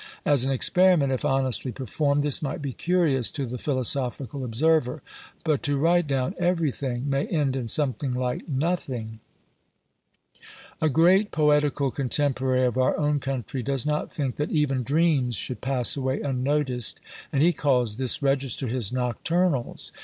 As an experiment, if honestly performed, this might be curious to the philosophical observer; but to write down everything, may end in something like nothing. A great poetical contemporary of our own country does not think that even Dreams should pass away unnoticed; and he calls this register his Nocturnals.